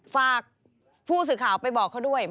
ฝากผู้สื่อข่าวไปบอกเขาด้วย